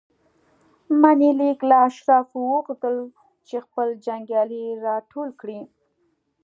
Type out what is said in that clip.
منیلیک له اشرافو وغوښتل چې خپل جنګیالي راټول کړي.